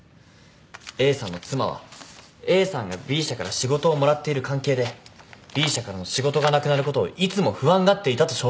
Ａさんの妻はＡさんがＢ社から仕事をもらっている関係でＢ社からの仕事がなくなることをいつも不安がっていたと証言しています。